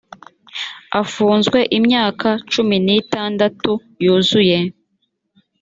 afunzwe imyaka cumi n’itandatu yuzuye